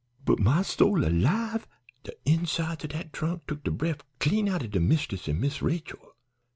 "But, my soul alive, de insides of dat trunk took de bref clean out o' de mist'ess an' Miss Rachel.